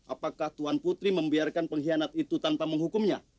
apakah tuan putri membiarkan pengkhianat itu tanpa menghukumnya